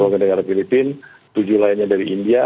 warga negara filipina tujuh lainnya dari india